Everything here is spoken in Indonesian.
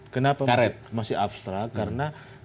kenapa masih abstrak karena karet